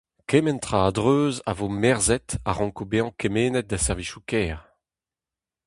Kement tra a-dreuz a vo merzhet a ranko bezañ kemennet da servijoù-kêr.